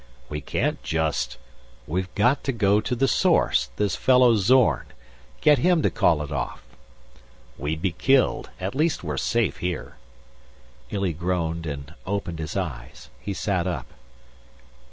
"We can't just...." "We've got to go to the source; this fellow Zorn. Get him to call it off." "We'd be killed! At least we're safe here." Illy groaned and opened his eyes. He sat up.